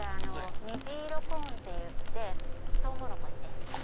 虹色コーンっていってトウモロコシです。